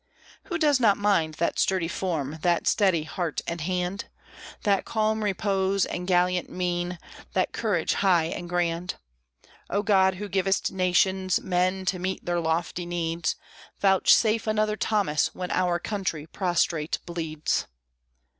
Who does not mind that sturdy form, that steady heart and hand, That calm repose and gallant mien, that courage high and grand? O God, who givest nations men to meet their lofty needs, Vouchsafe another Thomas when our country prostrate bleeds!